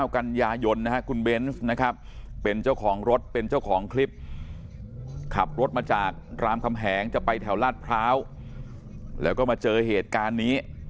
กันยายนนะฮะคุณเบนส์นะครับเป็นเจ้าของรถเป็นเจ้าของคลิปขับรถมาจากรามคำแหงจะไปแถวลาดพร้าวแล้วก็มาเจอเหตุการณ์นี้